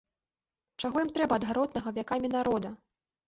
Чаго ім трэба ад гаротнага вякамі народа?